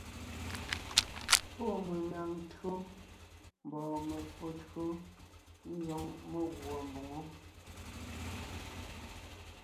Pɔ́ meŋaŋ tÿǒ mbɔɔ me[o tÿǒ ńzoŋ meguɔ mboŋó.